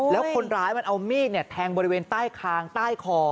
แล้วคนร้ายมันเอามีดแทงบริเวณใต้คางใต้คอ